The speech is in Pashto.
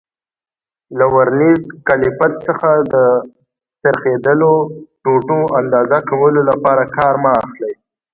له ورنیز کالیپر څخه د څرخېدلو ټوټو اندازه کولو لپاره کار مه اخلئ.